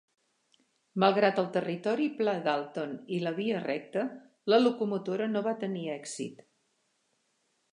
Malgrat el territori pla d'Alton i la via recta, la locomotora no va tenir èxit.